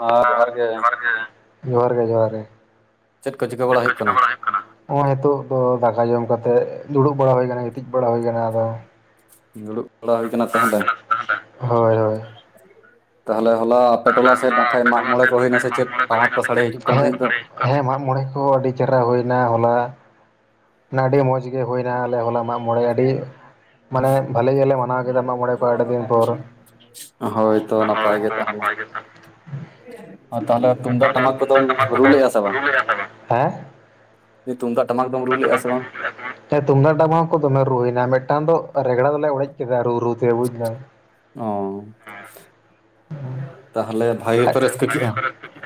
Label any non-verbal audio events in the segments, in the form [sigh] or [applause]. ᱦᱮᱸ ᱜᱮ ᱡᱚᱦᱟᱨ ᱜᱮ ᱡᱚᱦᱟᱨ ᱜᱮ ᱪᱮᱫ ᱠᱚ ᱪᱤᱠᱟᱹ ᱵᱟᱲᱟᱭ ᱦᱩᱭᱩᱜ ᱠᱟᱱᱟ? ᱦᱚᱸᱜᱼᱚᱭ ᱱᱤᱛᱳᱜ ᱫᱚ ᱫᱟᱠᱟ ᱡᱚᱢ ᱠᱟᱛᱮ ᱫᱩᱲᱩᱵ ᱵᱟᱲᱟ ᱦᱩᱭ ᱟᱠᱟᱱᱟ᱾ ᱜᱤᱛᱤᱡ ᱵᱟᱲᱟ ᱦᱩᱭ ᱟᱠᱟᱱᱟ ᱟᱫᱚ ᱫᱩᱲᱩᱵ ᱵᱟᱲᱟ ᱦᱩᱭ ᱠᱟᱱᱟ ᱛᱟᱦᱞᱮ ᱦᱳᱭ ᱦᱳᱭ ᱛᱟᱦᱚᱞᱮ ᱦᱚᱞᱟ ᱟᱯᱮ ᱴᱚᱞᱟ ᱥᱮᱫ ᱱᱟᱠᱷᱟᱡ ᱢᱟᱜ ᱢᱚᱬᱮ ᱠᱚ ᱦᱩᱭᱱᱟ ᱥᱮ ᱪᱮᱫ ᱴᱟᱢᱟᱠ ᱠᱚ ᱥᱟᱰᱮ ᱦᱤᱡᱩᱜ ᱠᱟᱱ ᱛᱟᱦᱮᱸᱫ ᱫᱚ? ᱦᱮᱸ ᱦᱮᱸ ᱢᱟᱜ ᱢᱚᱬᱮ ᱠᱚ ᱟᱹᱰᱤ ᱪᱮᱦᱨᱟ ᱦᱩᱭᱱᱟ ᱦᱚᱞᱟ ᱟᱹᱰᱤ ᱢᱚᱸᱡᱽ ᱜᱮ ᱦᱩᱭᱱᱟ ᱟᱞᱮ ᱦᱚᱞᱟ ᱢᱟᱜ ᱢᱚᱬᱮ ᱟᱹᱰᱤ ᱢᱟᱱᱮ ᱵᱷᱟᱞᱮ ᱜᱮᱞᱮ ᱢᱟᱱᱟᱣ ᱠᱮᱫᱟ ᱢᱟᱜ ᱢᱚᱬᱮ ᱠᱚ ᱟᱹᱰᱤ ᱫᱤᱱ ᱯᱚᱨ ᱦᱳᱭᱛᱚ ᱱᱟᱯᱟᱭ ᱜᱮ ᱛᱟᱦᱚᱞᱮ ᱛᱟᱦᱚᱞᱮ ᱛᱩᱢᱫᱟᱜ ᱴᱟᱢᱟᱠ ᱠᱚᱫᱚᱢ ᱨᱩ ᱞᱮᱫ ᱟ ᱥᱮ ᱵᱟᱝ? ᱦᱮᱸ ᱛᱩᱢᱫᱟᱜ ᱴᱟᱢᱟᱠ ᱫᱚᱢ ᱨᱩ ᱞᱮᱫ ᱟ ᱥᱮ ᱵᱟᱝ? ᱦᱮᱸ ᱛᱩᱢᱫᱟᱜ ᱴᱟᱢᱟᱠ ᱦᱚᱸ ᱠᱚ ᱫᱚᱢᱮ ᱨᱩ ᱦᱩᱭ ᱮᱱᱟ ᱢᱤᱫᱴᱟᱝ ᱫᱚ ᱨᱮᱜᱽᱲᱟ ᱫᱚᱞᱮ ᱚᱲᱮᱡ ᱠᱮᱫᱟ ᱨᱩ ᱨᱩ ᱛᱮ ᱵᱩᱡᱽ ᱫᱟᱢ ᱚ ᱛᱟᱦᱚᱞᱮ ᱵᱷᱟᱜᱮ ᱯᱮ ᱨᱟᱹᱥᱠᱟᱹ ᱠᱮᱜᱼᱟ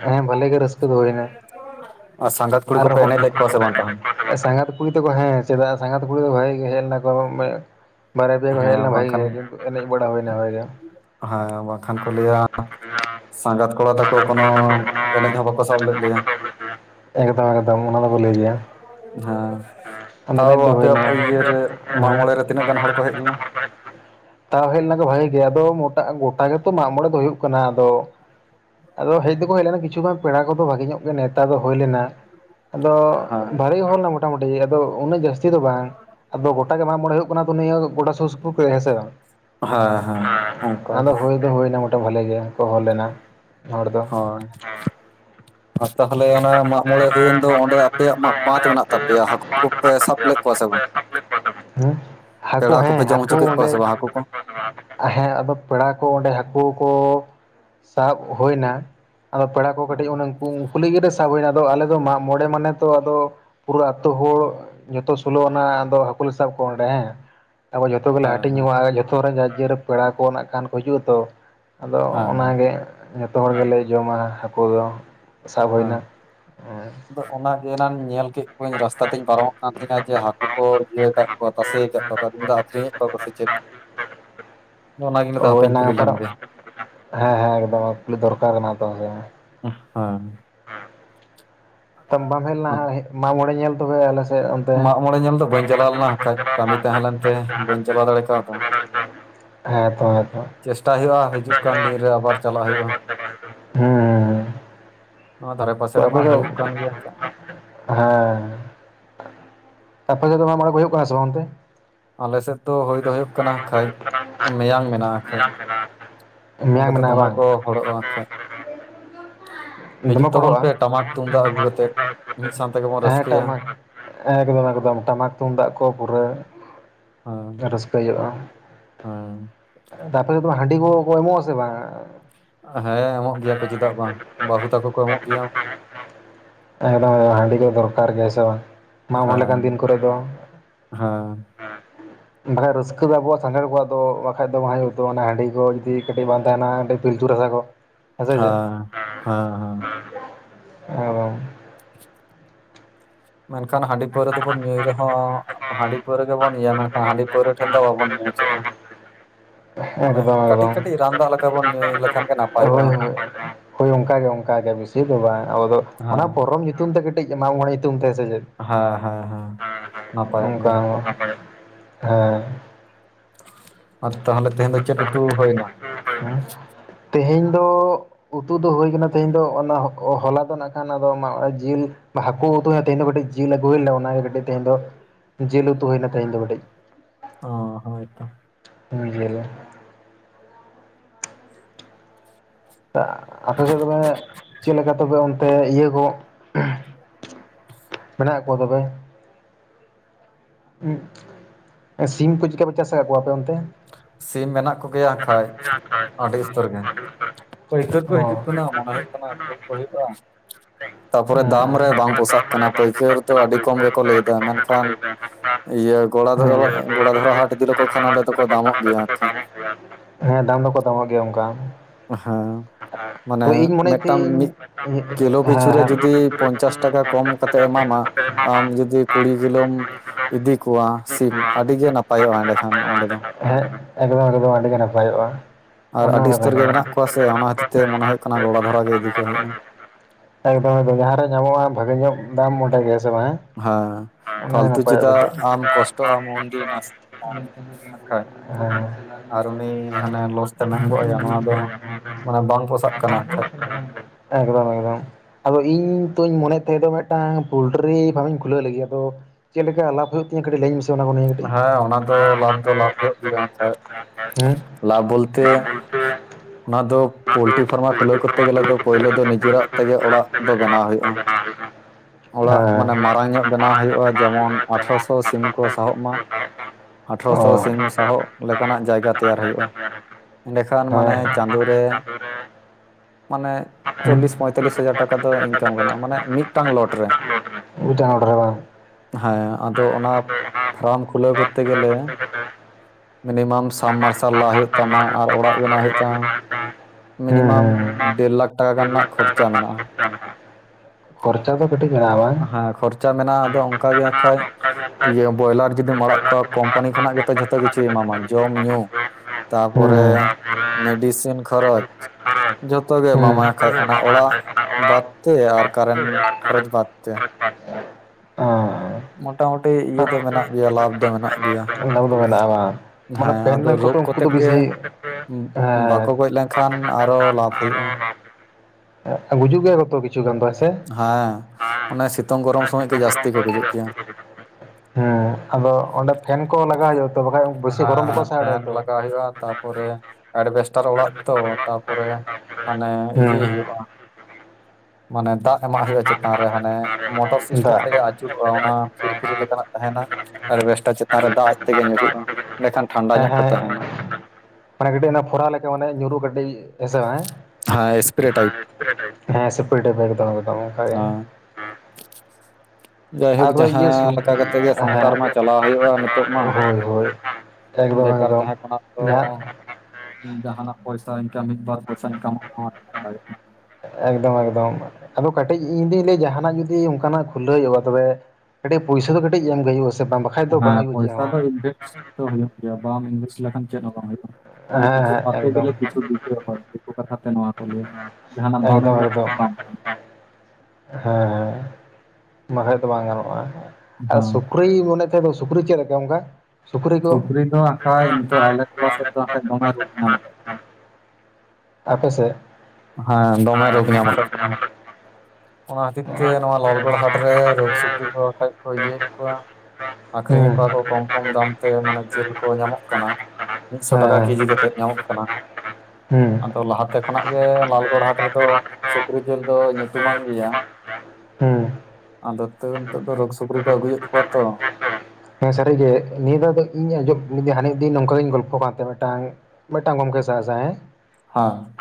ᱦᱮᱸ ᱵᱷᱟᱜᱮᱹ ᱜᱮ ᱨᱟᱹᱥᱠᱟᱹ ᱫᱚ ᱦᱩᱭ ᱮᱱᱟ ᱱᱟ ᱟᱨ ᱥᱟᱸᱜᱟᱛ ᱠᱩᱲᱤ ᱠᱚᱯᱮ ᱮᱱᱮᱡ ᱞᱮᱫ ᱠᱚᱣᱟ ᱥᱮ ᱵᱟᱝ ᱛᱟᱦᱮᱞᱮ ᱥᱟᱸᱜᱟᱛ ᱠᱩᱲᱤ ᱛᱟᱠᱚ ᱦᱮᱸ ᱪᱮᱫᱟᱜ ᱥᱟᱸᱜᱟᱛ ᱠᱩᱲᱤ ᱫᱚ ᱦᱮᱡ ᱦᱮᱡ ᱞᱮᱱᱟ ᱠᱚ ᱵᱟᱨᱭᱟ ᱯᱮᱭᱟ ᱠᱚ ᱦᱮᱡ ᱦᱮᱸ ᱞᱮᱱᱟ ᱵᱟᱝᱠᱷᱟᱱ ᱵᱷᱟᱜᱮᱹ ᱜᱮ ᱮᱱᱮᱡ ᱵᱟᱲᱟ ᱦᱩᱭᱱᱟ ᱵᱷᱟᱜᱮᱹ ᱜᱮ ᱦᱮᱸ ᱵᱟᱝᱠᱷᱟᱱ ᱠᱚ ᱞᱟᱹᱭᱟ ᱥᱟᱸᱜᱟᱛ ᱠᱚᱲᱟ ᱛᱟᱠᱚ ᱥᱟᱸᱜᱟᱛ ᱠᱳᱱᱳ ᱠᱚᱲᱟ ᱛᱟᱠᱚ ᱠᱳᱱᱳ ᱮᱱᱮᱡ ᱦᱚᱸ ᱵᱟᱠᱚ ᱮᱱᱮᱡ ᱞᱮᱫ ᱦᱚᱸ ᱞᱮᱭᱟ ᱥᱟᱵ ᱞᱮᱫ ᱞᱮᱭᱟ ᱮᱠᱫᱚᱢ ᱮᱠᱫᱚᱢ ᱚᱱᱟ ᱫᱚᱠᱚ ᱞᱟᱹᱭ ᱜᱮᱭᱟ᱾ ᱦᱮᱸ ᱟᱫᱚ ᱛᱟᱣ ᱮᱱᱮᱡ ᱫᱚ ᱟᱯᱮᱭᱟᱜ ᱦᱩᱭᱱᱟ ᱤᱭᱟᱹᱨᱮ ᱢᱟᱜ ᱢᱚᱬᱮ ᱨᱮ ᱛᱤᱱᱟᱹᱜ ᱜᱟᱱ ᱦᱚᱲ ᱠᱚ ᱦᱮᱡ ᱞᱮᱱᱟ? ᱵᱪ [unintelligible] ᱛᱟᱣ ᱦᱮᱡ ᱞᱮᱱᱠᱷᱟᱱ ᱵᱷᱟᱜᱮᱹ ᱜᱮ ᱟᱫᱚ ᱢᱚᱴᱟ ᱜᱚᱴᱟ ᱜᱮᱛᱚ ᱢᱟᱜ ᱢᱚᱬᱮ ᱫᱚ ᱦᱩᱭᱩᱜ ᱠᱟᱱᱟ ᱟᱫᱚ ᱟᱫᱚ ᱦᱮᱡ ᱫᱚᱠᱚ ᱦᱮᱡ ᱞᱮᱱᱟ ᱠᱤᱪᱷᱩ ᱜᱟᱱ ᱯᱮᱲᱟ ᱠᱚᱫᱚ ᱵᱷᱟᱜᱮᱹ ᱧᱚᱜ ᱜᱮ ᱱᱮᱣᱛᱟ ᱫᱚ ᱦᱩᱭ ᱞᱮᱱᱟ ᱟᱫᱚ ᱦᱮᱸ ᱵᱷᱟᱜᱤ ᱦᱩᱭᱮᱱᱟ ᱢᱚᱴᱟᱢᱩᱴᱤ ᱟᱫᱚ ᱩᱱᱟᱹᱜ ᱡᱟᱹᱥᱛᱤ ᱫᱚ ᱵᱟᱝ ᱟᱫᱚ ᱜᱚᱴᱟ ᱜᱮ ᱢᱟᱜ ᱢᱚᱬᱮ ᱦᱩᱭᱩᱜ ᱠᱟᱱᱟ ᱱᱤᱭᱟᱹ ᱜᱚᱴᱟ ᱥᱩᱨ ᱥᱩᱯᱩᱨ ᱨᱮ ᱦᱮᱸᱥᱮ ᱦᱮᱸ ᱦᱮᱸ ᱚᱱᱠᱟ ᱟᱫᱚ ᱜᱮ ᱦᱩᱭ ᱦᱩᱭᱱᱟ ᱢᱚᱴᱟ ᱢᱩᱴᱤ ᱵᱷᱟᱜᱮᱹ ᱜᱮ ᱠᱚ ᱦᱚᱲ ᱞᱮᱱᱟ ᱦᱚᱲ ᱫᱚ ᱦᱳᱭ ᱟᱨ ᱛᱟᱦᱚᱞᱮ ᱚᱱᱟ ᱢᱟᱜ ᱢᱚᱬᱮ ᱦᱩᱭᱮᱱ ᱫᱚ ᱚᱸᱰᱮ ᱟᱯᱮᱭᱟᱜ ᱢᱟᱜ ᱵᱟᱸᱫᱽ ᱢᱮᱱᱟᱜ ᱛᱟᱯᱮᱭᱟ ᱦᱟᱹᱠᱩ ᱦᱟᱹᱠᱩ ᱯᱮ ᱥᱟᱵ ᱞᱮᱫ ᱠᱚᱣᱟ ᱥᱮ ᱵᱟᱝ? ᱦᱮᱸ ᱦᱟᱹᱠᱩ ᱯᱮᱲᱟ ᱦᱮᱸ ᱠᱚᱯᱮ ᱡᱚᱢ ᱦᱚᱪᱚ ᱦᱟᱹᱠᱩ ᱠᱮᱫ ᱠᱚᱣᱟ ᱚᱸᱰᱮ ᱥᱮ ᱵᱟᱝ ᱦᱟᱹᱠᱩ ᱠᱚ? ᱦᱮᱸ ᱟᱫᱚ ᱯᱮᱲᱟ ᱠᱚ ᱚᱸᱰᱮ ᱦᱟᱹᱠᱩ ᱠᱚ ᱥᱟᱵ ᱦᱩᱭᱱᱟ ᱟᱫᱚ ᱯᱮᱲᱟ ᱠᱚ ᱦᱮᱸ ᱠᱟᱹᱴᱤᱡ ᱚᱱᱮ ᱩᱱᱠᱩ ᱩᱱᱠᱩ ᱜᱮᱞᱮ ᱥᱟᱵ ᱦᱩᱭᱱᱟ ᱟᱞᱮ ᱫᱚ ᱢᱟᱜ ᱢᱚᱬᱮ ᱢᱟᱱᱮ ᱛᱚ ᱟᱫᱚ ᱯᱩᱨᱟᱹ ᱟᱹᱛᱩ ᱦᱚᱲ ᱡᱚᱛᱚ ᱥᱳᱞᱳ ᱟᱱᱟ ᱟᱫᱚ ᱦᱟᱹᱠᱩ ᱞᱮ ᱥᱟᱵ ᱠᱚᱣᱟ ᱚᱸᱰᱮ ᱦᱮᱸ ᱟᱵᱚ ᱡᱷᱚᱛᱚ ᱜᱮᱞᱮ ᱦᱟᱹᱴᱤᱧ ᱦᱮᱸ ᱡᱚᱝᱚᱜᱼᱟ ᱡᱷᱚᱛᱚ ᱨᱮᱱ ᱡᱟᱡ ᱡᱮᱹᱨ ᱯᱮᱲᱟ ᱠᱚ ᱱᱟᱜ ᱠᱷᱟᱱ ᱠᱚ ᱦᱤᱡᱩᱜ ᱟᱛᱚ ᱟᱫᱚ ᱦᱮᱸ ᱦᱮᱸ ᱚᱱᱟᱜᱮ ᱡᱚᱛᱚ ᱦᱚᱲ ᱜᱮᱞᱮ ᱡᱚᱢᱟ ᱦᱟᱹᱠᱩ ᱫᱚ ᱥᱟᱵ ᱦᱮᱸ ᱦᱩᱭᱱᱟ ᱟᱫᱚ ᱚᱱᱟᱜᱮ ᱮᱱᱟᱝ ᱧᱮᱞ ᱠᱮᱫ ᱠᱚᱣᱟᱹᱧ ᱨᱟᱥᱛᱟ ᱛᱮᱧ ᱯᱟᱨᱚᱢ ᱠᱟᱱ ᱛᱤᱧᱟᱹ ᱡᱮ ᱦᱟᱹᱠᱩ ᱠᱚ ᱤᱭᱟᱹ ᱠᱟᱫ ᱠᱚᱣᱟ ᱛᱟᱥᱮᱹ ᱟᱠᱟᱫ ᱠᱚᱣᱟ ᱟᱫᱚᱧ ᱢᱮᱱ ᱫᱟ ᱟᱠᱷᱨᱤᱧᱮᱫ ᱠᱚᱣᱟ ᱠᱚ ᱥᱮ ᱪᱮᱫ ᱟᱫᱚ ᱚᱱᱟᱜᱤᱧ ᱳ ᱞᱟᱹᱭᱫᱟ [unintelligible] ᱦᱟᱯᱮᱧ ᱦᱮᱸ ᱠᱩᱞᱤ ᱞᱮᱢ ᱜᱮ ᱦᱮᱸ ᱮᱠᱫᱚᱢ [unintelligible] ᱫᱚᱨᱠᱟᱨ ᱚᱱᱟ [unintelligible] [unintelligible] ᱦᱮᱸ ᱦᱮᱸ [unintelligible] ᱢᱟᱜ ᱢᱚᱬᱮ ᱧᱮᱞ ᱛᱚᱵᱮ ᱟᱞᱮᱼᱼ ᱢᱟᱜᱢᱚᱬᱮ ᱧᱮᱞ ᱫᱚ ᱵᱟᱹᱧ ᱪᱟᱞᱟᱣ ᱞᱮᱱᱟ ᱠᱷᱟᱡ ᱠᱟᱹᱢᱤ ᱛᱟᱦᱮᱸ ᱞᱮᱱᱛᱮ ᱵᱟᱹᱧ ᱪᱟᱞᱟᱣ ᱫᱟᱲᱮ ᱠᱟᱣᱫᱟ ᱦᱮᱸᱛᱚ ᱦᱮᱸ ᱛᱚ ᱪᱮᱥᱴᱟᱭ ᱦᱳᱭᱳᱜᱼᱟ ᱦᱩᱸ ᱦᱩᱸ ᱦᱩᱸ ᱱᱚᱣᱟ ᱫᱷᱟᱨᱮ ᱯᱟᱥᱮ ᱛᱚ ᱟᱯᱮ ᱨᱮᱢᱟ ᱫᱚ ᱦᱩᱭᱩᱜ ᱠᱟᱱ ᱜᱮᱭᱟ ᱦᱮᱸ ᱛᱟᱯᱮᱥᱮᱫᱚ ᱢᱟᱜ ᱢᱚᱬᱮ ᱠᱚ ᱦᱩᱭᱩᱜ ᱠᱟᱱᱟ ᱥᱮ ᱵᱟᱝ ᱚᱱᱛᱮ ᱟᱞᱮᱥᱮᱫ ᱫᱚ ᱦᱩᱭ ᱫᱚ ᱦᱩᱭᱩᱜ ᱠᱟᱱᱟ ᱦᱟᱸᱠᱷᱟᱱᱡ ᱢᱮᱭᱟᱝ ᱢᱮᱱᱟᱜ ᱠᱷᱟᱱᱡ ᱚᱸᱰᱮ ᱢᱮᱭᱟᱝ ᱫᱚ ᱢᱮᱱᱟᱜᱼᱟ ᱫᱚᱢᱮ ᱵᱟᱝ ᱠᱚ ᱦᱚᱲᱚᱜᱼᱟ ᱠᱷᱟᱡ ᱫᱚᱢᱮ ᱦᱤᱡᱩᱜ ᱠᱚ ᱛᱟᱵᱚᱱ ᱦᱟᱴᱚᱬᱚᱜᱼᱟ ᱯᱮ ᱴᱟᱢᱟᱠ ᱛᱩᱢᱫᱟᱜ ᱟᱹᱜᱩ ᱠᱟᱛᱮᱫ ᱢᱤᱫ ᱥᱟᱶ ᱛᱮᱜᱮ ᱵᱚᱱ ᱦᱮᱸ ᱨᱟᱹᱥᱠᱟᱹᱭᱟ ᱴᱟᱢᱟᱠᱼᱼ ᱮᱠᱫᱚᱢ ᱮᱠᱫᱚᱢ ᱴᱟᱢᱟᱠ ᱛᱩᱢᱫᱟᱜ ᱠᱚ ᱯᱩᱨᱟᱹ ᱨᱟᱹᱥᱠᱟᱹᱭ ᱦᱩᱭᱩᱜᱼᱟ ᱦᱳᱭ ᱛᱟᱯᱚᱨᱮ ᱫᱚ ᱦᱟᱺᱰᱤ ᱠᱚ ᱠᱚ ᱮᱢᱚᱜᱼᱟ ᱥᱮ ᱵᱟᱝ? ᱦᱮᱸ ᱮᱢᱚᱜ ᱜᱮᱭᱟ ᱠᱚ ᱪᱮᱫᱟᱜ ᱵᱟᱝ ᱵᱟᱹᱦᱩ ᱛᱟᱠᱚ ᱠᱚ ᱮᱢᱚᱜ ᱜᱮᱭᱟ ᱮᱠᱫᱚᱢ ᱦᱟᱺᱰᱤ ᱧᱩ ᱫᱚᱨᱠᱟᱨ ᱜᱮ ᱥᱮ ᱵᱟᱝ ᱢᱟᱜᱽᱢᱚᱬᱮ ᱞᱮᱠᱟᱱ ᱦᱮᱸ ᱫᱤᱱ ᱠᱚᱨᱮ ᱫᱚ ᱦᱮᱸ ᱵᱟᱠᱷᱟᱡ ᱨᱟᱹᱥᱠᱟᱹ ᱫᱚ ᱟᱵᱚᱣᱟᱜ ᱥᱟᱱᱛᱟᱲ ᱠᱚᱣᱟᱜᱼᱼ ᱫᱚ ᱵᱟᱠᱷᱟᱡ ᱫᱚ ᱵᱟᱝ ᱦᱩᱭᱩᱜ ᱫᱚ ᱚᱱᱟ ᱦᱟᱺᱰᱤ ᱠᱚ ᱡᱩᱫᱤ ᱠᱟᱴᱤᱡ ᱵᱟᱝ ᱛᱟᱦᱮᱸᱱᱟ ᱯᱤᱞᱪᱩ ᱨᱟᱥᱟ ᱠᱚ ᱦᱮᱸ ᱦᱮᱸ ᱦᱮᱸ ᱮᱠᱫᱚᱢ ᱢᱮᱱᱠᱷᱟᱱ ᱦᱟᱺᱰᱤ ᱯᱟᱹᱣᱨᱟᱹ ᱫᱚᱵᱚᱱ ᱧᱩᱭ ᱨᱮᱦᱚᱸ ᱦᱟᱺᱰᱤ ᱯᱟᱹᱣᱨᱟᱹ ᱜᱮᱵᱚᱱ ᱧᱩᱭᱟ ᱢᱮᱱᱠᱷᱟᱱ ᱦᱟᱺᱰᱤ ᱯᱟᱹᱣᱨᱟᱹ ᱴᱷᱮᱱ ᱫᱚ ᱵᱟᱵᱚᱱ ᱧᱩ ᱦᱚᱪᱚᱜᱼᱟ ᱢᱟᱱᱮ ᱮᱠᱫᱚᱢ ᱮᱠᱫᱚᱢ ᱠᱟᱹᱴᱤᱡ ᱮᱠᱫᱚᱢ ᱠᱟᱹᱴᱤᱡ ᱨᱟᱱ ᱫᱟᱜ ᱞᱮᱠᱟ ᱵᱚᱱ ᱧᱩᱭ ᱞᱮᱠᱷᱟᱱ ᱜᱮ ᱦᱳᱭ ᱱᱟᱯᱟᱭᱚᱜᱼᱟ ᱦᱳᱭ ᱦᱳᱭ ᱚᱱᱠᱟ ᱜᱮ ᱚᱱᱠᱟ ᱜᱮ ᱵᱤᱥᱤ ᱫᱚ ᱵᱟᱝ ᱟᱵᱚ ᱫᱚ ᱚᱱᱟ ᱦᱮᱸ ᱯᱚᱨᱚᱵᱽ ᱧᱩᱛᱩᱢ ᱛᱮ ᱠᱟᱹᱴᱤᱡᱼᱼ ᱴᱤᱡ ᱢᱟᱜᱽ ᱢᱚᱬᱮ ᱧᱩᱛᱩᱢ ᱛᱮ ᱥᱮ ᱪᱮᱫ? ᱦᱮᱸ ᱦᱮᱸ ᱦᱮᱸ ᱱᱟᱯᱟᱭᱚᱜ ᱚᱱᱠᱟ ᱜᱮᱭᱟ ᱦᱮᱸ ᱟᱨ ᱛᱟᱦᱚᱞᱮ ᱛᱮᱦᱮᱧ ᱫᱚ ᱪᱮᱫ ᱩᱛᱩ ᱦᱳᱭᱳᱜᱼᱟ? ᱛᱮᱦᱮᱧ ᱫᱚᱼᱼ ᱩᱛᱩ ᱫᱚ ᱦᱳᱭ ᱠᱟᱱᱟ ᱛᱮᱦᱮᱧ ᱫᱚ ᱚᱱᱟ ᱦᱚᱞᱟ ᱫᱚ ᱱᱟᱜᱼᱠᱷᱟᱱ ᱟᱫᱚ ᱡᱤᱞᱼᱼ ᱦᱟᱹᱠᱩ ᱩᱛᱩ ᱛᱮᱦᱮᱧ ᱫᱚ ᱠᱟᱹᱴᱤᱡ ᱡᱤᱞ ᱟᱜᱩ ᱦᱩᱭᱞᱱᱟ ᱚᱱᱟ ᱜᱮ ᱠᱟᱹᱴᱤᱡ ᱛᱮᱦᱮᱧ ᱫᱚᱼᱼ ᱡᱤᱞ ᱩᱛᱩ ᱦᱳᱭᱱᱟ ᱛᱮᱦᱮᱧ ᱫᱚ ᱠᱟᱹᱴᱤᱡ ᱚ ᱦᱳᱭ ᱛᱚ ᱚ ᱡᱟᱞᱟ [inaudible] ᱟᱯᱮ ᱥᱮᱫ ᱛᱚᱵᱮ ᱪᱮᱫ ᱞᱮᱠᱟ ᱛᱚᱵᱮ ᱚᱱᱛᱮ ᱤᱭᱟᱹ ᱠᱚᱼᱼ [inaudible] ᱢᱮᱱᱟᱜ ᱠᱚᱣᱟ ᱛᱚᱵᱮ ᱥᱤᱢ ᱠᱚ ᱪᱮᱫᱠᱟ ᱯᱮ ᱪᱟᱥ ᱠᱟᱜ ᱠᱚᱣᱟ ᱟᱯᱮ ᱚᱱᱛᱮ? ᱥᱤᱢ ᱢᱮᱱᱟᱜ ᱠᱚᱜᱮᱭᱟ ᱦᱟᱜ ᱠᱷᱟᱸᱡ ᱟᱹᱰᱤ ᱩᱛᱟᱹᱨ ᱜᱮ ᱯᱟᱹᱭᱠᱟᱹᱨ ᱠᱚ ᱦᱤᱡᱩᱜ ᱚ ᱠᱟᱱᱟ ᱢᱚᱱᱮ ᱦᱩᱭᱩᱜ ᱠᱟᱱᱟ ᱟᱠᱷᱨᱤᱧ ᱠᱚ ᱦᱩᱭᱩᱜᱼᱟ ᱛᱟᱯᱚᱨᱮ ᱫᱟᱢ ᱨᱮ ᱵᱟᱝ ᱯᱚᱥᱟᱜ ᱠᱟᱱᱟ ᱯᱟᱹᱭᱠᱟᱹᱨ ᱫᱚ ᱟᱹᱰᱤ ᱠᱚᱢ ᱜᱮᱠᱚ ᱞᱟᱹᱭ ᱫᱟ ᱢᱮᱱᱠᱷᱟᱱᱼᱼ ᱤᱭᱟᱹ ᱜᱚᱲᱟᱫᱷᱚᱨᱟ ᱜᱚᱲᱟᱫᱷᱚᱨᱟ ᱦᱟᱴ ᱤᱫᱤ ᱞᱮᱠᱚ ᱠᱷᱟᱱ ᱚᱸᱰᱮ ᱫᱚᱠᱚ ᱫᱟᱢᱚᱜ ᱜᱮᱭᱟ ᱦᱟᱜ ᱠᱷᱟᱱ ᱦᱮᱸ ᱫᱟᱢ ᱫᱚᱠᱚ ᱫᱟᱢᱚᱜ ᱜᱮᱭᱟ ᱚᱱᱠᱟ ᱦᱮᱸ ᱢᱟᱱᱮ ᱛᱚ ᱤᱧ ᱢᱚᱱᱮᱭᱮᱫ ᱢᱤᱫᱴᱟᱝ ᱢᱤᱫ ᱛᱟᱦᱮᱸᱧ ᱠᱤᱞᱳ ᱯᱤᱪᱷᱩ ᱨᱮ ᱦᱮᱸ ᱡᱩᱫᱤ ᱯᱚᱧᱪᱟᱥ ᱴᱟᱠᱟ ᱠᱚᱢ ᱠᱟᱛᱮ ᱮᱢᱟᱢᱟᱼᱼ ᱟᱢ ᱡᱩᱫᱤ ᱠᱩᱲᱤ ᱠᱤᱞᱳᱢᱼᱼ ᱤᱫᱤ ᱠᱚᱣᱟ ᱥᱤᱢ ᱦᱮᱸ ᱟᱹᱰᱤ ᱜᱮ ᱱᱟᱯᱟᱭᱚᱜᱼᱟ ᱚᱸᱰᱮ ᱫᱚ ᱦᱮᱸ ᱮᱠᱫᱚᱢ ᱮᱠᱫᱚᱢ ᱟᱹᱰᱤ ᱜᱮ ᱱᱟᱯᱟᱭᱚᱜᱼᱟ ᱟᱨ ᱚᱱᱟ ᱟᱹᱰᱤ ᱠᱟᱛᱷᱟ ᱩᱥᱛᱟᱹᱨ ᱜᱮ ᱢᱮᱱᱟᱜ ᱠᱚᱣᱟ ᱥᱮ ᱠᱟᱱᱟ ᱚᱱᱟ ᱠᱷᱟᱹᱛᱤᱨ ᱛᱮ ᱢᱚᱱᱮ ᱦᱩᱭᱩᱜ ᱠᱟᱱᱟ ᱜᱚᱲᱟ ᱫᱷᱚᱨᱟ ᱜᱮ ᱤᱫᱤ ᱠᱚ ᱦᱩᱭᱩᱜᱼᱟ ᱮᱠᱫᱚᱢ ᱡᱟᱦᱟᱸ ᱨᱮ ᱧᱟᱢᱚᱜᱼᱟ ᱵᱷᱟᱜᱮ ᱧᱚᱜ ᱫᱟᱢ ᱚᱸᱰᱮ ᱜᱮ ᱦᱮᱸ ᱥᱮ ᱵᱟᱝ ᱦᱮᱸ ᱚᱱᱟ ᱯᱷᱟᱞᱛᱩ ᱱᱟᱯᱟᱭᱚᱜ ᱪᱮᱫᱟᱜ ᱠᱟᱹᱴᱤᱡ ᱟᱢ ᱠᱚᱥᱴᱚ ᱟᱢ ᱩᱱᱫᱤᱱ ᱱᱟᱥᱼ ᱦᱮᱸ ᱟᱨ ᱩᱱᱤ ᱦᱟᱱᱮ ᱞᱚᱥ ᱛᱮᱢ ᱮᱢ ᱜᱚᱫ ᱟᱭᱟ ᱱᱚᱣᱟ ᱫᱚ ᱢᱟᱱᱮ ᱵᱟᱝ ᱯᱚᱥᱟᱜ ᱢᱟᱱᱮ ᱠᱟᱱᱟ ᱵᱟᱝ ᱠᱷᱟᱡ ᱯᱚᱴᱟᱜ ᱠᱟᱱᱟ ᱟᱨ ᱪᱮᱫ, ᱮᱠᱫᱚᱢ ᱮᱠᱫᱚᱢ ᱟᱫᱚ ᱤᱧ ᱛᱚᱧ ᱢᱚᱱᱮ ᱮᱫ ᱛᱟᱦᱮᱸ ᱫᱚ ᱢᱤᱫᱴᱟᱝ ᱯᱳᱞᱴᱨᱤ ᱯᱷᱟᱨᱢ ᱤᱧ ᱠᱷᱩᱞᱟᱹᱭ ᱞᱟᱹᱜᱤᱫ ᱟᱫᱚ ᱪᱮᱫ ᱞᱮᱠᱟ ᱞᱟᱵᱷ ᱦᱩᱭᱩᱜ ᱛᱤᱧᱟᱹ ᱠᱟᱹᱴᱤᱡ ᱞᱟᱹᱭ ᱟᱹᱧ ᱢᱮᱥᱮ ᱚᱱᱟ ᱠᱚ ᱱᱤᱭᱟᱹ ᱠᱟᱹᱴᱤᱡ ᱦᱮᱸ ᱚᱱᱟ ᱫᱚ ᱞᱟᱵᱷ ᱫᱚ ᱞᱟᱵᱷ ᱦᱩᱭᱩᱜ ᱜᱮᱭᱟ ᱦᱮᱸ ᱦᱮᱸ ᱠᱷᱟᱡᱱᱞᱟᱵᱷ ᱵᱚᱞᱛᱮ ᱚᱱᱟ ᱫᱚ ᱯᱳᱞᱴᱨᱤ ᱯᱷᱟᱨᱢᱟ ᱠᱷᱩᱞᱟᱹᱣ ᱠᱚᱨᱛᱮ ᱜᱮᱞᱮ ᱫᱚ ᱯᱳᱭᱞᱳ ᱫᱚ ᱱᱤᱡᱮᱨᱟᱜ ᱛᱮᱜᱮ ᱚᱲᱟᱜ ᱫᱚ ᱵᱮᱱᱟᱣ ᱦᱩᱭᱩᱜᱼᱟ ᱚᱲᱟᱜ ᱢᱟᱱᱮ ᱢᱟᱨᱟᱝ ᱧᱚᱜ ᱵᱮᱱᱟᱣ ᱦᱩᱭᱩᱜᱼᱟ ᱡᱮᱢᱚᱱ ᱟᱴᱷᱟᱨᱚᱥᱚ ᱥᱤᱢ ᱠᱚ ᱥᱟᱦᱚᱵ ᱢᱟ ᱚ ᱟᱴᱷᱟᱨᱚᱥᱚ ᱥᱤᱢ ᱥᱟᱦᱚᱵ ᱞᱮᱠᱟᱱᱟᱜ ᱡᱟᱭᱜᱟ ᱛᱮᱭᱟᱨ ᱦᱩᱭᱩᱜᱼᱟ ᱮᱸᱰᱮᱠᱷᱟᱱ ᱢᱟᱱᱮ ᱪᱟᱸᱫᱳ ᱦᱮᱸ ᱨᱮ ᱪᱟᱸᱫᱳ ᱨᱮ ᱢᱟᱱᱮ ᱪᱚᱞᱤᱥ ᱯᱚᱭᱛᱟᱞᱤᱥ ᱦᱟᱡᱟᱨ ᱴᱟᱠᱟ ᱫᱚ ᱤᱱᱠᱟᱢ ᱜᱟᱱᱚᱜᱼᱟ ᱦᱮᱸ ᱢᱟᱱᱮ ᱢᱤᱫᱴᱟᱝ ᱞᱚᱴ ᱨᱮ ᱢᱤᱫᱴᱟᱝ ᱦᱚᱲ ᱨᱮ ᱵᱟᱝ ᱦᱮᱸ ᱟᱫᱚ ᱚᱱᱟ ᱯᱷᱨᱟᱢ ᱠᱷᱩᱞᱟᱹᱣ ᱠᱚᱨᱛᱮ ᱜᱮᱞᱮ ᱢᱤᱱᱤᱢᱟᱢ ᱥᱟᱵᱽᱢᱟᱨᱥᱟᱞ ᱞᱟ ᱦᱩᱭᱩᱜ ᱛᱟᱢᱟ ᱟᱨ ᱚᱲᱟᱜ ᱵᱮᱱᱟᱣ ᱦᱩᱭᱩᱜ ᱛᱟᱢᱟ ᱦᱩᱸ ᱢᱤᱱᱤᱢᱟᱢ ᱦᱩᱸ ᱰᱮᱲ ᱞᱟᱠᱷ ᱴᱟᱠᱟ ᱜᱟᱱ ᱨᱮᱱᱟᱜ ᱠᱷᱚᱨᱪᱟ ᱢᱮᱱᱟᱜᱼᱟ ᱠᱷᱚᱨᱪᱟ ᱫᱚ ᱠᱟᱹᱴᱷᱤᱡ ᱦᱮᱸ ᱠᱷᱚᱨᱪᱟ ᱢᱮᱱᱟᱜᱼᱟ ᱟᱫᱚ ᱚᱱᱠᱟ ᱜᱮ ᱟ ᱠᱷᱟᱡ ᱤᱭᱟᱹ ᱵᱚᱭᱞᱟᱨ ᱡᱩᱫᱤᱢ ᱟᱲᱟᱜ ᱠᱚᱣᱟ ᱠᱳᱢᱯᱟᱱᱤ ᱠᱷᱚᱱᱟᱜ ᱜᱮᱛᱚ ᱡᱚᱛᱚ ᱠᱤᱪᱷᱩᱭ ᱮᱢᱟᱢᱟ ᱡᱚᱢᱼ ᱧᱩ ᱦᱩᱸ ᱛᱟᱯᱚᱨᱮ ᱢᱮᱰᱤᱥᱤᱱ ᱠᱷᱚᱨᱚᱪ ᱡᱚᱛᱚ ᱜᱮ ᱦᱩᱸ ᱮᱢᱟᱢᱟᱭ ᱟ ᱠᱷᱟᱡ ᱚᱱᱟ ᱚᱲᱟᱜ ᱵᱟᱫᱽ ᱛᱮ ᱟᱨ ᱠᱟᱨᱮᱱᱴ ᱠᱷᱚᱨᱚᱪ ᱵᱟᱫᱽ ᱛᱮ ᱚ ᱢᱳᱴᱟᱢᱩᱴᱤ ᱤᱭᱟᱹ ᱫᱚ ᱢᱮᱱᱟᱜ ᱜᱮᱭᱟ ᱞᱟᱵᱷ ᱫᱚ ᱢᱮᱱᱟᱜ ᱜᱮᱭᱟ ᱚᱱᱟ ᱠᱚᱫᱚ ᱢᱮᱱᱟᱜᱼᱟ ᱵᱟᱝ ᱢᱟᱱᱮ ᱦᱮᱸ ᱯᱷᱮᱱ ᱟᱫᱚ ᱢᱮᱱ ᱠᱚᱫᱚ ᱨᱳᱜᱽ ᱩᱱᱠᱩ ᱫᱚ ᱠᱚᱛᱮᱜ ᱜᱮ ᱵᱤᱥᱤ ᱵᱟᱠᱚ ᱜᱚᱡ ᱦᱮᱸ ᱞᱮᱱᱠᱷᱟᱱ ᱟᱨᱚ ᱞᱟᱵᱷ ᱦᱩᱭᱩᱜᱼᱟ ᱜᱩᱡᱩᱜ ᱜᱮᱭᱟ ᱠᱚ ᱛᱚ ᱠᱤᱪᱷᱩ ᱜᱟᱱ ᱫᱚ ᱥᱮ ᱦᱮᱸ ᱚᱱᱮ ᱥᱤᱛᱩᱝ ᱜᱚᱨᱚᱢ ᱥᱚᱢᱚᱭ ᱜᱮ ᱡᱟᱹᱥᱛᱤ ᱠᱚ ᱜᱩᱡᱩᱜ ᱜᱮᱭᱟ ᱦᱮᱸ ᱟᱫᱚ ᱚᱸᱰᱮ ᱯᱷᱮᱱ ᱠᱚ ᱞᱟᱜᱟᱣ ᱦᱩᱭᱩᱜᱼᱟ ᱛᱚ ᱵᱟᱠᱷᱟᱡ ᱵᱮᱥᱤ ᱦᱮᱸ ᱜᱚᱨᱚᱢ ᱵᱟᱠᱚ ᱦᱮᱸ ᱥᱟᱦᱟᱣ ᱫᱟᱲᱮ ᱭᱟᱜ ᱟ ᱛᱚ ᱮᱞᱵᱮᱥᱴᱟᱨ ᱚᱲᱟᱜ ᱛᱚ ᱛᱟᱯᱚᱨᱮ ᱦᱟᱱᱮ ᱤᱭᱟᱹᱭ ᱦᱩᱭᱩᱜᱼᱟ ᱢᱟᱱᱮ ᱫᱟᱜ ᱮᱢᱟᱜ ᱦᱩᱭᱩᱜᱼᱟ ᱪᱮᱛᱟᱱ ᱨᱮ ᱦᱟᱱᱮ ᱢᱚᱴᱚᱨ ᱦᱩᱸ ᱥᱤᱥᱴᱮᱢ ᱛᱮᱜᱮ ᱟᱹᱪᱩᱨᱚᱜᱼᱟ ᱚᱱᱟ ᱯᱷᱤᱨ ᱯᱷᱤᱨᱤ ᱞᱮᱠᱟᱱᱟᱜ ᱛᱟᱦᱮᱱᱟ ᱮᱰᱵᱮᱥᱴᱟᱨ ᱟᱨᱮ ᱫᱟᱜ ᱟᱡ ᱛᱮᱜᱮ ᱫᱟᱜ ᱧᱩᱨᱩᱜᱼᱟ ᱮᱸᱰᱮᱠᱷᱟᱱ ᱴᱷᱟᱱᱰᱟ ᱧᱚᱜ ᱠᱚ ᱛᱟᱦᱮᱸᱱᱟ ᱯᱷᱟᱨᱟ ᱜᱟᱹᱰᱤ ᱚᱱᱟ ᱯᱷᱚᱨᱟ ᱞᱮᱠᱷᱟᱱ ᱧᱩᱨᱦᱩ ᱜᱟᱹᱰᱤ ᱦᱮᱸ ᱥᱮ ᱦᱮᱸ ᱦᱮᱸ ᱮᱥᱯᱨᱮ ᱴᱟᱭᱤᱯ ᱦᱮᱸ ᱮᱥᱯᱨᱮ ᱴᱟᱭᱤᱯ ᱮᱠᱫᱚᱢ ᱮᱠᱫᱚᱢ ᱚᱱᱠᱟ ᱜᱮ ᱦᱮᱸ ᱡᱟᱭᱦᱳᱠ ᱟᱫᱚ ᱤᱭᱟᱹ ᱡᱟᱦᱟᱸ ᱞᱮᱠᱟ ᱠᱟᱛᱮ ᱜᱮ ᱥᱚᱝᱥᱟᱨ ᱢᱟ ᱪᱟᱞᱟᱣ ᱦᱩᱭᱩᱜᱼᱟ ᱱᱤᱛᱚᱜ ᱢᱟ ᱦᱮᱸ ᱦᱳᱭ ᱦᱳᱭ ᱮᱠᱫᱚᱢ ᱵᱮᱠᱟᱨ ᱮᱠᱫᱚᱢ ᱛᱟᱦᱮᱸ ᱠᱷᱚᱱᱟᱜ ᱫᱚ ᱡᱟᱦᱟᱸ ᱡᱟᱦᱟᱱᱟᱜ ᱯᱚᱭᱥᱟ ᱤᱱᱠᱟ ᱢᱤᱫᱵᱟᱨ ᱯᱚᱭᱥᱟ ᱠᱟᱢᱟᱣᱟ ᱢᱤᱫ ᱵᱟᱨᱭᱟ ᱮᱠᱫᱚᱢ ᱮᱠᱫᱚᱢ ᱟᱫᱚ ᱠᱟᱹᱴᱤᱡ ᱤᱧ ᱫᱚᱧ ᱞᱟᱹᱭ ᱡᱟᱦᱟᱱᱟᱜ ᱡᱩᱫᱤ ᱚᱱᱠᱟᱱᱟᱜ ᱠᱷᱩᱞᱟᱹᱣ ᱦᱩᱭᱩᱜᱼᱟ ᱛᱚᱵᱮ ᱠᱟᱹᱴᱤᱡ ᱯᱩᱭᱥᱟᱹ ᱫᱚ ᱠᱟᱹᱴᱤᱡ ᱮᱢ ᱜᱮ ᱦᱩᱭᱩᱜᱼᱟ ᱥᱮ ᱵᱟᱝ ᱵᱟᱠᱷᱟᱡ ᱫᱚ ᱵᱟᱝ ᱦᱮᱸ ᱦᱩᱭᱩᱜᱼᱟ ᱪᱮᱫ ᱯᱚᱭᱥᱟ ᱦᱚᱸ ᱫᱚ ᱤᱱᱵᱷᱮᱥᱴ ᱫᱚ ᱦᱩᱭᱩᱜ ᱜᱮᱭᱟ ᱵᱟᱢ ᱤᱱᱵᱷᱮᱥᱴ ᱞᱮᱠᱷᱟᱱ ᱪᱮᱫ ᱦᱚᱸ ᱵᱟᱝ ᱦᱩᱭᱩᱜᱼᱟ ᱢᱟᱱᱮ ᱦᱮᱸ ᱠᱤᱪᱷᱩ ᱦᱮᱸ ᱯᱟᱛᱮ ᱮᱠᱫᱚᱢ ᱜᱮᱞᱮ ᱠᱤᱪᱷᱩ ᱫᱤᱛᱮ ᱦᱚᱭ ᱠᱟᱛᱷᱟ ᱛᱮ ᱱᱚᱣᱟ ᱠᱚ ᱞᱟᱹᱭᱟ ᱡᱟᱦᱟᱱᱟᱜ ᱵᱟᱢ ᱮᱠᱫᱚᱢ ᱮᱢ ᱞᱮᱠᱷᱟᱱ ᱮᱠᱫᱚᱢ ᱵᱟ ᱦᱮᱸ ᱦᱮᱸ ᱵᱟᱝ ᱦᱮᱸᱜ ᱫᱚ ᱵᱟᱝ ᱜᱟᱱᱚᱜᱼᱟ ᱟᱨ ᱦᱮᱸ ᱥᱩᱠᱨᱤ ᱢᱚᱱᱮ ᱚᱱᱛᱮ ᱫᱚ ᱥᱩᱠᱨᱤ ᱪᱮᱫ ᱞᱮᱠᱟ ᱚᱱᱠᱟ? ᱥᱩᱠᱨᱤ ᱫᱚ ᱟᱝᱠᱷᱟᱡ ᱱᱤᱛᱚᱜ ᱟᱞᱮ ᱴᱚᱞᱟ ᱥᱮᱫ ᱫᱚ ᱠᱷᱟᱡ ᱫᱚᱢᱮ ᱨᱳᱜ ᱧᱟᱢ ᱠᱟᱜ ᱟᱯᱮ ᱥᱮ ᱦᱮᱸ ᱫᱚᱢᱮ ᱨᱳᱜᱽ ᱧᱟᱢ ᱟᱠᱟᱫ ᱠᱚᱭᱟ ᱚᱱᱟ ᱦᱚᱛᱮᱡ ᱛᱮ ᱱᱚᱣᱟ ᱞᱟᱞᱜᱚᱲ ᱦᱟᱴᱨᱮ ᱨᱳᱜᱽ ᱥᱩᱠᱨᱤ ᱠᱚ ᱠᱷᱟᱡ ᱠᱚ ᱤᱭᱟᱹᱭᱮᱫ ᱠᱚᱣᱟ ᱟᱠᱷᱨᱤᱧᱮᱫ ᱠᱚᱣᱟ ᱦᱮᱸ ᱠᱚ ᱠᱚᱢ ᱠᱚᱢ ᱫᱟᱢ ᱛᱮ ᱢᱟᱱᱮ ᱡᱤᱞ ᱠᱚ ᱧᱟᱢᱚᱜ ᱠᱟᱱᱟ ᱢᱤᱫᱥᱚ ᱴᱟᱠᱟ ᱦᱮᱸ ᱠᱮᱡᱤ ᱠᱟᱛᱮᱫ ᱧᱟᱢᱚᱜ ᱠᱟᱱᱟ ᱦᱩᱸ ᱛᱚ ᱞᱟᱦᱟᱛᱮ ᱠᱷᱚᱱᱟᱜ ᱜᱮ ᱞᱟᱞᱜᱚᱲ ᱦᱟᱴ ᱨᱮᱫᱚ ᱥᱩᱠᱨᱤ ᱡᱤᱞ ᱫᱚ ᱧᱩᱛᱩᱢᱟᱱ ᱜᱮᱭᱟ ᱦᱮᱸ ᱟᱫᱚ ᱛᱟᱹᱣ ᱱᱤᱛᱚᱜ ᱫᱚ ᱨᱳᱜᱽ ᱥᱩᱠᱨᱤ ᱠᱚ ᱟᱹᱜᱩᱭᱮᱫ ᱠᱚᱣᱟ ᱛᱚ ᱦᱮᱸ ᱥᱟᱹᱨᱤ ᱜᱮ ᱱᱤᱭᱟᱹ ᱫᱷᱟᱣ ᱫᱚ ᱤᱧ ᱟᱸᱡᱚᱢ ᱦᱟᱹᱱᱤ ᱢᱤᱫ ᱫᱤᱱ ᱱᱚᱝ ᱠᱟ ᱜᱤᱧ ᱜᱚᱞ ᱯᱷᱚ ᱠᱟᱱ ᱛᱟᱦᱮᱸ ᱢᱤᱫ ᱴᱟᱝ ᱢᱤᱫᱴᱟᱝ ᱜᱚᱢᱠᱮ ᱥᱟᱦᱮ ᱥᱟᱦᱮ, ᱦᱚᱸ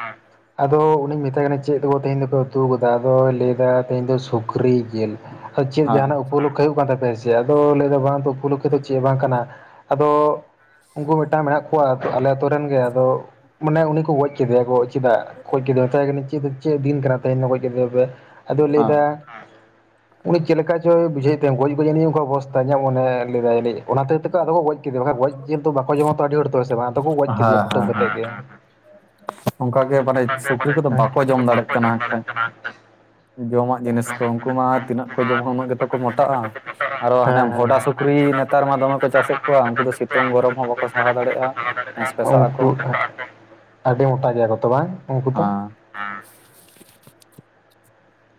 ᱟᱫᱚ ᱩᱱᱤᱧ ᱢᱮᱛᱟᱭ ᱠᱟᱱᱟ ᱪᱮᱫ ᱫᱚ ᱛᱮᱦᱮᱧ ᱫᱚᱯᱮ ᱩᱛᱩ ᱠᱟᱫᱟ ᱟᱫᱚᱭ ᱞᱟᱹᱭ ᱮᱫᱟ ᱛᱮᱦᱮᱧ ᱫᱚ ᱥᱩᱠᱷᱨᱤ ᱡᱮᱞ ᱟᱫᱚ ᱪᱮᱫ ᱦᱮᱸ ᱡᱟᱦᱟᱸᱱᱟᱜ ᱩᱯᱚ ᱞᱚᱠᱠᱷᱮ ᱦᱩᱭᱩᱜ ᱠᱟᱱ ᱛᱟᱯᱮ ᱭᱟ ᱥᱮ, ᱟᱫᱚ ᱞᱟᱹᱭ ᱫᱟ ᱵᱟᱝ ᱛᱚ ᱩᱯᱚ ᱞᱚᱠᱠᱷᱚ ᱚᱭ [unintelligible] ᱫᱚ ᱪᱮᱫ ᱵᱟᱝ ᱠᱟᱱᱟ᱾ᱟᱫᱚ ᱩᱱᱠᱩ ᱢᱤᱫᱴᱟᱝ ᱢᱮᱱᱟᱜ ᱠᱚᱣᱟ ᱟᱞᱮ ᱟᱛᱳ ᱨᱮᱱ ᱜᱮ ᱟᱫᱚ ᱢᱟᱱᱮ ᱩᱱᱤ ᱠᱚ ᱜᱚᱡ ᱠᱮᱫᱮᱭᱟ ᱠᱚ ᱪᱮᱫᱟᱜ ᱜᱚᱡ ᱠᱮᱫᱮ ᱭᱟ, ᱢᱮᱛᱟᱭ ᱠᱟᱹᱱᱟᱹᱧ ᱪᱮᱫ ᱪᱮᱫ ᱫᱤᱱ ᱠᱟᱱᱟ ᱛᱮᱦᱮᱧ ᱜᱚᱡ ᱠᱮᱫᱮ ᱫᱚ ᱯᱮ᱾ ᱟᱫᱚᱭ ᱞᱟᱹᱭ ᱦᱮᱸ ᱫᱟ ᱩᱱᱤ ᱪᱮᱫ ᱞᱮᱠᱟ ᱪᱚᱭ ᱵᱩᱡᱷᱟᱹᱣ ᱛᱟᱭᱟ ᱜᱚᱡ ᱜᱚᱡ ᱩᱱᱤ ᱦᱚ ᱚᱵᱚᱥᱛᱟ ᱭᱧᱟᱜ ᱢᱚᱱᱮ ᱩᱱᱤ ᱞᱮᱫᱟᱭ ᱡᱟᱹᱱᱤᱡ ᱚᱱᱟ ᱠᱷᱟᱹᱛᱤᱨ ᱛᱮ ᱠᱚ ᱟᱫᱚ ᱠᱚ ᱜᱚᱡ ᱠᱮ ᱫᱟᱭᱟ, ᱵᱟᱝ ᱠᱷᱟᱱ, ᱜᱚᱡ ᱡᱮᱞ ᱫᱚ ᱵᱟᱠᱚ ᱡᱚᱢᱟ ᱛᱚ ᱟᱹᱰᱤ ᱦᱚᱲ ᱫᱚ ᱦᱮᱸ ᱥᱮ ᱵᱟᱝ? ᱟᱫᱚ ᱠᱚ ᱜᱚᱡ ᱦᱮᱸ ᱠᱮᱫᱮᱭᱟ ᱠᱩᱴᱟᱹᱢ ᱦᱮᱸ ᱦᱮᱸ ᱠᱟᱛᱮᱜ ᱜᱮ ᱚᱱᱠᱟᱜᱮ ᱢᱟᱱᱮ ᱥᱩᱠᱨᱤ ᱠᱚᱫᱚ ᱵᱟᱠᱚ ᱡᱚᱢ ᱫᱟᱲᱮᱜ ᱠᱟᱱᱟ ᱡᱚᱢᱟᱜ ᱡᱤᱱᱤᱥ ᱠᱚ ᱩᱱᱠᱩ ᱢᱟ ᱛᱤᱱᱟᱹᱜ ᱠᱚ ᱡᱚᱢᱟ ᱩᱱᱟᱹᱜ ᱜᱮᱛᱚ ᱠᱚ ᱢᱚᱴᱟᱜᱼᱟ ᱟᱨᱚ ᱦᱟᱱᱮ ᱦᱮᱸ ᱦᱮᱸ ᱵᱷᱚᱰᱟ ᱥᱩᱠᱨᱤ ᱱᱮᱛᱟᱨ ᱢᱟ ᱫᱚᱢᱮ ᱠᱚ ᱪᱟᱥᱮᱫ ᱠᱚᱣᱟ ᱩᱱᱠᱩ ᱫᱚ ᱥᱤᱛᱩᱝ ᱜᱚᱨᱚᱢ ᱦᱚᱸ ᱵᱟᱠᱚ ᱥᱟᱦᱟᱣ ᱫᱟᱲᱮᱭᱟᱜᱼᱟ ᱦᱮᱸᱥ ᱯᱮᱥᱟᱜ ᱟᱠᱚ ᱩᱱᱠᱩ ᱟᱹᱰᱤ ᱢᱚᱴᱟ ᱜᱮᱭᱟ ᱠᱚ ᱛᱚ ᱵᱟᱝ ᱩᱱᱠᱩ ᱫᱚᱚ ᱦᱮᱸ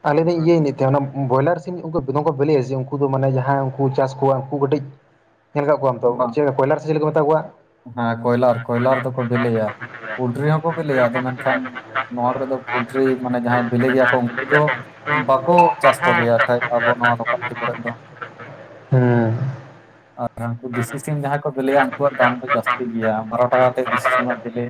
ᱞᱟᱸᱭ ᱫᱟᱹᱧ ᱚᱱᱠᱟᱜᱮ ᱤᱭᱟᱹᱧ ᱞᱟᱹᱭ ᱛᱟᱦᱮᱸ ᱚᱱᱟ ᱵᱷᱚᱭᱞᱟᱨᱥ ᱥᱤᱢ ᱵᱮᱫᱚᱢ ᱠᱚ ᱵᱮᱞᱮᱭᱟ ᱡᱮ, ᱩᱱᱠᱩ ᱫᱚ ᱢᱟᱱᱮ ᱡᱟᱦᱟᱸᱭ ᱩᱱᱠᱩ ᱪᱟᱥ ᱠᱚᱣᱟ ᱩᱱᱠᱩ ᱠᱟᱹᱴᱤᱡ ᱧᱮᱞ ᱠᱟᱜ ᱠᱚᱣᱟᱢ ᱛᱚ ᱵᱟᱝ ᱪᱮᱫ ᱠᱚᱭᱞᱟᱨ ᱥᱮ ᱪᱮᱫ ᱠᱚ ᱢᱮᱛᱟ ᱠᱚᱣᱟ ᱦᱮᱸ ᱠᱚᱭᱞᱟᱨ ᱠᱚᱭᱞᱟᱨ ᱫᱚᱠᱚ ᱵᱤᱞᱮᱭᱟ ᱯᱚᱞᱴᱨᱤ ᱦᱚᱸᱠᱚ ᱵᱤᱞᱮᱭᱟ ᱟᱫᱚ ᱢᱮᱱᱠᱷᱟᱱ ᱱᱚᱣᱟ ᱠᱚᱫᱚ ᱯᱞᱴᱨᱤ ᱢᱟᱱᱮ ᱡᱟᱦᱟᱸᱭ ᱵᱤᱞᱤ ᱜᱮᱭᱟ ᱠᱚ ᱩᱱᱠᱩ ᱫᱚ ᱵᱟᱠᱚ ᱪᱟᱥ ᱠᱚᱜᱮᱭᱟ ᱠᱷᱟᱡ ᱟᱵᱚ ᱱᱚᱣᱟ ᱫᱚ [unintelligible] ᱠᱚᱨᱮ ᱫᱚ ᱦᱮᱸ ᱩᱱᱠᱩ ᱫᱮᱥᱤ ᱥᱤᱢ ᱡᱟᱦᱟᱸᱭ ᱠᱚ ᱵᱞᱮᱭᱟ ᱩᱱᱠᱩᱣᱟᱜ ᱫᱟᱢ ᱫᱚ ᱡᱟᱹᱥᱛᱤ ᱜᱮᱭᱟ ᱵᱟᱨᱚ ᱴᱟᱠᱟ ᱟᱛᱮ ᱫᱮᱥᱤ ᱥᱤᱢᱟᱜ ᱵᱤᱞᱤ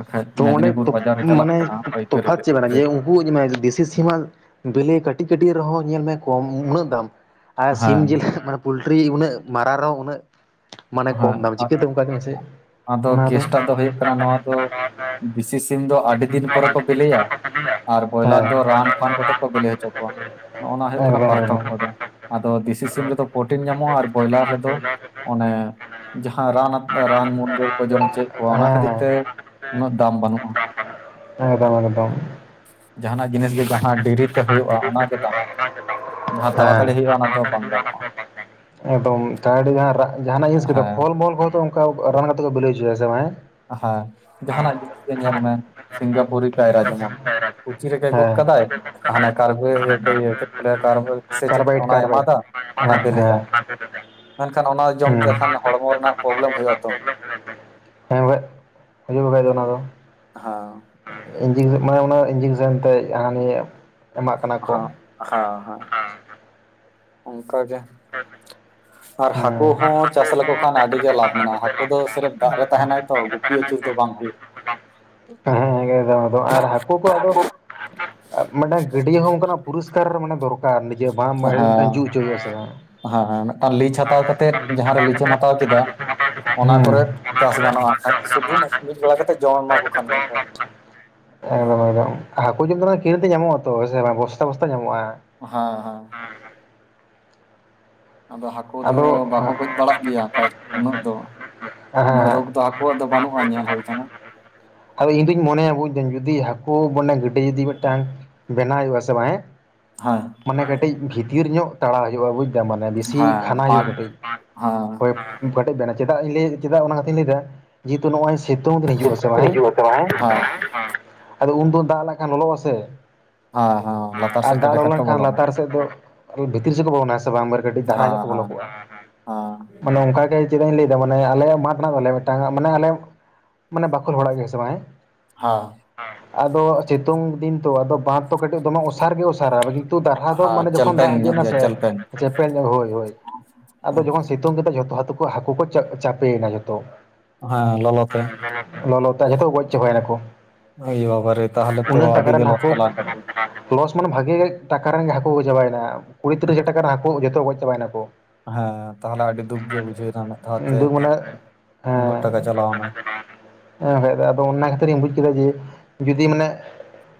ᱵᱟᱠᱷᱟᱡ ᱛᱚ ᱚᱸᱰᱮ ᱢᱮᱫᱽᱱᱤᱯᱩᱨ ᱵᱟᱡᱟᱨᱮ ᱪᱟᱞᱟᱜ ᱠᱟᱱᱟ ᱯᱟᱹᱭᱠᱟᱹᱨᱤ ᱨᱮᱹᱴ ᱵᱩᱡ ᱢᱮ ᱫᱤᱥᱤ ᱥᱤᱢᱟᱹᱜ ᱵᱮᱞᱮ ᱠᱟᱹᱴᱤᱡ ᱠᱟᱹᱴᱤᱡ ᱨᱮ ᱦᱚᱸ ᱧᱮᱞ ᱢᱮ ᱠᱚᱢ ᱩᱱᱟᱹᱜ ᱫᱟᱢ ᱟᱨ ᱥᱤᱢ ᱦᱮᱸ ᱡᱤᱞ ᱢᱟᱱᱮ ᱯᱚᱞᱴᱨᱤ ᱩᱱᱟᱹᱜ ᱢᱟᱨᱟᱝ ᱨᱮᱦᱚᱸ ᱩᱱᱟᱹᱜ ᱢᱟᱱᱮ ᱦᱮᱸ ᱠᱚᱢ ᱫᱟᱢ ᱪᱤᱠᱟᱹᱛᱮ ᱚᱱᱠᱟ ᱜᱮ ᱢᱟᱥᱮ ᱟᱫᱚ ᱠᱥᱴᱟᱜ ᱫᱚ ᱦᱩᱭᱩᱜ ᱠᱟᱱᱟ ᱱᱚᱣᱟ ᱫᱚ ᱵᱮᱥᱤ ᱥᱤᱢ ᱫᱚ ᱟᱹᱰᱤ ᱫᱤᱱ ᱯᱚᱨᱮ ᱠᱚ ᱵᱤᱞᱤᱭᱟ ᱟᱨ ᱵᱚᱭᱞᱟᱨ ᱦᱮᱸ ᱫᱚ ᱨᱟᱱ ᱯᱷᱟᱱ ᱠᱚ ᱠᱟᱛᱮ ᱠᱚ ᱵᱤᱞᱤ ᱦᱚᱪᱚ ᱠᱚᱣᱟ ᱱᱚᱜ ᱱᱟ ᱦᱩᱭᱩᱜᱜ ᱮᱠᱫᱚᱢ ᱯᱟᱟᱨ ᱮᱠᱫᱚᱢ ᱦᱮᱸ ᱦᱮᱸ ᱛᱷᱚᱠᱫᱚ ᱟᱫᱚ ᱫᱮᱥᱤ ᱥᱤᱢ ᱨᱮᱫᱚ ᱯᱨᱚᱴᱤᱱ ᱧᱟᱢᱚᱜᱼᱟ ᱟᱨ ᱵᱚᱭᱞᱟᱨ ᱨᱮᱫᱚ ᱚᱱᱮ ᱡᱟᱦᱟᱸ ᱨᱟᱱ ᱨᱟᱱ ᱢᱩᱨᱜᱟᱹᱱ ᱠᱚ ᱡᱚᱢ ᱦᱚᱪᱚᱭᱮᱫ ᱠᱚᱣᱟ ᱚᱱᱟ ᱠᱷᱟᱹᱛᱤᱨ ᱛᱮ ᱩᱱᱟᱹᱜ ᱫᱟᱢ ᱵᱟᱹᱱᱩᱜᱼᱟ ᱮᱠᱫᱚᱢ ᱮᱠᱫᱚᱢ ᱡᱟᱦᱟᱱᱟᱜ ᱡᱤᱱᱤᱥ ᱜᱮ ᱡᱟᱦᱟᱸ ᱰᱮᱨᱤ ᱛᱮ ᱦᱩᱭᱩᱜᱼᱟ ᱚᱱᱟᱜᱮ ᱫᱟᱢᱚᱜᱼᱟ ᱡᱟᱦᱟᱸ ᱛᱟᱲᱟᱛᱟᱹᱲᱤ ᱦᱩᱭᱩᱜᱼᱟ ᱚᱱᱟ ᱫᱚ ᱵᱟᱝ ᱫᱟᱢᱚᱜᱼᱟ ᱮᱠ ᱫᱚᱢ ᱡᱟᱦᱟᱸᱭ ᱴᱷᱮᱱ ᱡᱟᱸᱦᱟ ᱱᱟᱜ ᱡᱤᱱᱤᱥ ᱦᱮᱸ ᱯᱷᱚᱞ ᱢᱚᱞ ᱠᱚ ᱨᱮ ᱫᱚ ᱚᱱᱠᱟᱣ ᱨᱟᱱ ᱠᱟᱛᱮ ᱠᱚ ᱵᱤᱞᱤ ᱦᱚᱪᱚᱭᱟ ᱦᱮᱸ ᱥᱮ ᱵᱟᱝ ᱦᱮᱸ? ᱦᱮᱸ ᱡᱟᱦᱟᱱᱟᱜ ᱡᱤᱱᱤᱥ ᱜᱮ ᱧᱮᱞ ᱢᱮ ᱥᱤᱝᱜᱟᱯᱩᱨᱤ ᱠᱟᱭᱨᱟ ᱡᱮᱢᱚᱱ ᱠᱩᱪᱤ ᱨᱮ ᱜᱮ ᱜᱚᱫ ᱦᱮᱸ ᱠᱟᱫᱟᱭ ᱦᱟᱱᱮ ᱠᱟᱨᱵᱚᱭᱮ ᱪᱮᱫ ᱠᱚ ᱞᱟᱹᱭᱟ ᱠᱟᱨᱵᱚᱭᱮᱰ ᱥᱮ ᱪᱮᱫ ᱚᱱᱟᱭ ᱮᱢᱟᱫᱟ᱾ ᱚᱱᱟ ᱵᱮᱞᱮᱜᱼᱟ [inaudible] ᱢᱮᱱᱠᱷᱟᱱ ᱚᱱᱟ ᱡᱚᱢ ᱛᱮᱠᱷᱟᱱ ᱦᱚᱲᱢᱚ ᱨᱮᱱᱟᱜ ᱯᱨᱚᱵᱞᱮᱢ ᱦᱩᱭᱩᱜ ᱟᱛᱚ ᱦᱮᱸ ᱵᱟᱠᱷᱟᱡ ᱦᱤᱡᱩᱜ ᱵᱟᱠᱷᱟᱡ ᱫᱚ ᱚᱱᱟ ᱫᱚ᱾ ᱦᱚᱸᱻ ᱚᱱᱟ ᱤᱧᱡᱮᱠᱥᱮᱱ ᱛᱮ ᱦᱟᱱᱟ ᱱᱤᱭᱟᱹ ᱮᱢᱟᱜ ᱠᱟᱱᱟ ᱠᱚ ᱦᱮᱸ ᱦᱮᱸ ᱦᱮᱸ ᱚᱱᱠᱟ ᱜᱮ ᱟᱨ ᱦᱟᱹᱠᱩ ᱦᱚᱸ ᱪᱟᱥ ᱞᱮᱠᱚ ᱠᱷᱟᱱ ᱟᱹᱰᱤ ᱜᱮ ᱞᱟᱵᱷ ᱢᱮᱱᱟᱜᱼᱟ ᱦᱟᱹᱠᱩ ᱫᱚ ᱫᱟᱜ ᱨᱮ ᱛᱟᱦᱮᱱᱟᱭ ᱛᱚ ᱜᱩᱯᱤ ᱟᱹᱪᱩᱨ ᱫᱚ ᱵᱟᱝ ᱦᱩᱭᱩᱜᱼᱟ ᱦᱮᱸ ᱦᱮᱸ ᱟᱨ ᱦᱟᱹᱠᱩ ᱠᱚᱣᱟᱜ ᱫᱚ ᱢᱤᱫᱴᱟᱝ ᱜᱟᱹᱰᱭᱟᱹ ᱦᱚᱸ ᱚᱱᱠᱟ ᱯᱚᱨᱤᱥᱠᱟᱨ ᱢᱟᱱᱮ ᱫᱚᱨᱠᱟᱨ ᱵᱟᱠᱷᱟᱡ ᱦᱩᱭᱩᱜ ᱵᱟᱠᱷᱟᱡ ᱫᱚ ᱚᱱᱟ ᱫᱚ ᱤᱧᱡᱮᱠᱥᱮᱱ ᱢᱟᱱᱮ ᱚᱱᱟ ᱤᱧᱡᱮᱠᱥᱮᱱ ᱛᱮ ᱦᱟᱱᱟ ᱱᱤᱭᱟᱹ ᱮᱢᱟᱜ ᱠᱟᱱᱟ ᱠᱚ ᱦᱮᱸ ᱦᱮᱸ ᱮᱠᱫᱚᱢ ᱮᱠᱫᱚᱢ ᱱᱤᱡᱮ ᱵᱟᱢ ᱢᱤᱫᱴᱟᱝ ᱡᱩ ᱦᱚᱪᱚ ᱦᱩᱭᱩᱜᱼᱟ ᱥᱮ ᱵᱟᱝ ᱦᱮᱸ ᱦᱮᱸ ᱢᱤᱫᱴᱟᱹᱝ ᱞᱤᱡᱽ ᱦᱟᱛᱟᱣ ᱠᱟᱛᱮ ᱛᱮᱫ ᱡᱟᱦᱟᱸ ᱨᱮ ᱞᱤᱪ ᱮᱢ ᱦᱟᱛᱟᱣ ᱠᱮᱫᱟ ᱚᱱᱟ ᱦᱮᱸ ᱠᱚᱨᱮ ᱪᱟᱥ ᱜᱟᱱᱚᱜᱼᱟ ᱤᱠᱷᱟ. ᱡ ᱥᱩᱫᱩ ᱢᱤᱫ ᱵᱮᱲᱟ ᱠᱟᱛᱮᱫ ᱡᱚᱢ ᱮᱢᱟ ᱠᱚ ᱠᱷᱟᱱ ᱜᱮ ᱮᱠᱫᱚᱢ ᱦᱟᱹᱠᱩ ᱡᱚᱢ ᱠᱤᱨᱤᱧ ᱛᱮ ᱧᱟᱢᱚᱜ ᱟ ᱛᱚ ᱥᱮ ᱵᱟᱝ ᱵᱚᱥᱛᱟ ᱵᱚᱥᱛᱟ ᱧᱟᱢᱚᱜᱼᱟ ᱦᱮᱸ ᱦᱮᱸ ᱟᱫᱚ ᱦᱟᱹᱠᱩ ᱫᱚ ᱟᱫᱚ ᱵᱟᱠᱚ ᱜᱚᱡ ᱵᱟᱲᱟᱜ ᱜᱮᱭᱟ ᱠᱷᱟᱡ ᱩᱱᱟᱹᱜ ᱫᱚ ᱩᱱᱟᱹᱜ ᱦᱮᱸ ᱨᱳᱜᱽ ᱫᱚ ᱟᱵᱚᱣᱟᱜ ᱫᱚ ᱵᱟᱹᱱᱩᱜᱼᱟ ᱧᱮᱞ ᱦᱩᱭ ᱟᱠᱟᱱᱟ ᱟᱫᱚ ᱤᱧ ᱫᱩᱧ ᱢᱚᱱᱮ ᱟᱹᱜᱩ ᱮᱱᱟᱹᱧ ᱡᱩᱫᱤ ᱦᱟᱹᱠᱩ ᱢᱮ ᱜᱤᱰᱮ ᱡᱩᱫᱤ ᱢᱤᱫᱴᱟᱝ ᱵᱮᱱᱟᱣ ᱦᱩᱭᱩᱜ ᱟᱥᱮ ᱵᱟᱝ ᱦᱳᱭ ᱢᱟᱱᱮ ᱠᱟᱹᱴᱤᱡ ᱵᱷᱤᱛᱤᱨ ᱧᱚᱜ ᱛᱟᱲᱟᱣ ᱦᱩᱭᱩᱜᱼᱟ ᱵᱩᱡ ᱮᱫᱟ ᱢᱟᱱᱮ ᱵᱮᱥᱤ ᱦᱮᱸ ᱠᱷᱟᱱᱟ ᱯᱟᱸᱪ ᱦᱩᱭᱩᱜᱼᱟ ᱠᱟᱹᱴᱤᱡ ᱦᱮᱸ ᱦᱳᱭ ᱠᱮᱴᱮᱡ ᱵᱮᱱᱟ ᱪᱮᱫᱟᱜ ᱤᱧ ᱞᱟᱹᱭ ᱪᱮᱫᱟᱜ ᱚᱱᱟ ᱠᱟᱛᱷᱟᱧ ᱞᱟᱹᱭᱮᱫᱟ ᱾ ᱡᱮ ᱦᱮᱛᱩ ᱱᱚᱜᱼᱚᱭ ᱥᱤᱛᱩᱝ ᱫᱤᱱ ᱦᱤᱡᱩᱜ ᱟᱥᱮ ᱵᱟᱝ ᱦᱮᱸ ᱟᱫᱚ ᱩᱱᱫᱚ ᱫᱟᱜ ᱞᱟᱜ ᱠᱷᱟᱱ ᱞᱚᱞᱚᱜ ᱟᱥᱮ ᱦᱮᱸ ᱦᱮᱸ ᱞᱟᱛᱟᱨ ᱥᱮᱫ ᱜᱮ ᱰᱮᱠᱟᱨ ᱠᱚ ᱠᱷᱟᱱ ᱵᱚᱞᱚᱱᱟ ᱞᱟᱛᱟᱨ ᱥᱮᱫ ᱫᱚ ᱵᱷᱤᱛᱤᱨ ᱥᱮᱫ ᱠᱚ ᱵᱚᱞᱚᱱᱟ ᱥᱮ ᱵᱟᱝ ᱠᱟᱹᱴᱤᱡ ᱫᱷᱟᱨᱟ ᱧᱚᱜ ᱠᱚ ᱵᱚᱞᱚ ᱠᱚᱜᱼᱟ ᱦᱚᱸ ᱢᱟᱱᱮ ᱚᱱᱠᱟ ᱜᱮ ᱪᱮᱫᱟᱜ ᱤᱧ ᱞᱟᱹᱭᱮᱫᱟ ᱢᱟᱱᱮ ᱟᱞᱮ ᱢᱟᱴᱷ ᱢᱮᱱᱟᱜ ᱛᱟᱞᱮᱭᱟ ᱢᱤᱫᱴᱟᱝ ᱢᱟᱱᱮ ᱟᱞᱮ ᱢᱟᱱᱮ ᱦᱚᱸ ᱟᱫᱚ ᱥᱤᱛᱩᱝ ᱫᱤᱱ ᱛᱚ ᱟᱫᱚ ᱵᱟᱸᱫᱷ ᱫᱚ ᱠᱟᱹᱴᱤᱡ ᱫᱚᱢᱮ ᱚᱥᱟᱨ ᱜᱮ ᱚᱥᱟᱨᱟ ᱵᱷᱟᱹᱜᱤ ᱛᱚ ᱫᱟᱨᱦᱟ ᱫᱚ ᱦᱮᱸ ᱢᱟᱱᱮ ᱡᱚᱠᱷᱚᱱ ᱪᱟᱞᱯᱮᱱ ᱫᱟᱜ ᱟᱸᱡᱮᱫ ᱧᱚᱜ ᱮ ᱜᱮᱭᱟ ᱱᱟᱥᱮ ᱪᱟᱞᱯᱮᱱ ᱥᱤᱛᱩᱝ ᱠᱟᱛᱮᱫ ᱡᱷᱚᱛᱚ ᱦᱟᱹ ᱠᱚ ᱦᱟᱹᱠᱩ ᱠᱚ ᱪᱟᱯᱮᱭᱮᱱᱟ ᱡᱷᱚᱛᱚ ᱦᱮᱸ ᱞᱚᱞᱚ ᱛᱮ ᱞᱚᱞᱚ ᱛᱮ ᱡᱷᱚᱛᱚ ᱠᱚ ᱜᱚᱡ ᱪᱟᱵᱟᱭᱮᱱᱟ ᱠᱚ ᱭᱳ ᱵᱟᱵᱟ ᱨᱮ ᱛᱟᱦᱞᱮ ᱛᱚ ᱟᱹᱰᱤ ᱜᱮ ᱞᱚᱥ ᱦᱟᱹᱠᱩ ᱪᱟᱞᱟᱣᱮᱱ ᱛᱟᱯᱮ ᱞᱚᱥ ᱢᱟᱱᱮ ᱵᱷᱟᱜᱮ ᱴᱟᱠᱟ ᱨᱮᱱ ᱜᱮ ᱦᱟᱹᱠᱩ ᱠᱚ ᱪᱟᱵᱟᱭᱱᱟ ᱠᱩᱲᱤ ᱛᱤᱨ ᱦᱟᱡᱟᱨ ᱴᱟᱠᱟ ᱨᱮᱱ ᱦᱟᱹᱠᱩ ᱡᱚᱛᱚ ᱜᱚᱡ ᱪᱟᱵᱟᱭᱮᱱᱟ ᱠᱚ ᱦᱮᱸ ᱛᱟᱦᱚᱞᱮ ᱟᱹᱰᱤ ᱫᱩᱠ ᱜᱮ ᱵᱩᱡᱷᱟᱹᱣᱮᱱᱟ ᱢᱤᱫ ᱫᱷᱟᱣ ᱛᱮ ᱫᱩ ᱢᱟᱱᱮ ᱩᱱᱟᱹᱜ ᱴᱟᱠᱟ ᱪᱟᱞᱟᱣᱮᱱᱟ ᱦᱮᱸ ᱦᱮᱸ ᱟᱫᱚ ᱚᱱᱟ ᱠᱷᱟᱹᱛᱤᱨᱤᱧ ᱵᱩᱡ ᱠᱮᱫᱟ ᱡᱮ ᱡᱩᱫᱤ ᱢᱟᱱᱮ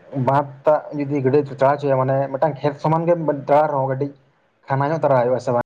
[unintelligible] ᱦᱚᱪᱚᱭᱟ ᱢᱟᱱᱮ ᱢᱤᱫᱴᱟᱝ ᱠᱷᱮᱛ ᱥᱚᱢᱟᱱ ᱜᱮ ᱢᱤᱫ ᱫᱷᱟᱣ ᱨᱮᱦᱚᱸ ᱠᱟᱹᱴᱤᱡ ᱠᱷᱟᱱᱟ ᱦᱚᱸ ᱛᱟᱨᱟ ᱦᱩᱭᱩᱜᱼᱟ ᱥᱮ ᱵᱟᱝ